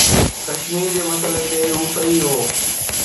ڪشمير جي مسئلي تي هو صحيح هو